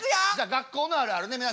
学校のあるあるね皆さん。